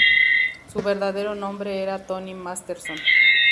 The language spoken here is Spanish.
Su verdadero nombre era Tony Masterson.